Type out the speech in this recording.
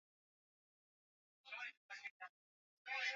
miaka na ni sugu au hustahimili joto jingi na ukame Ugonjwa huu unaweza kuzuka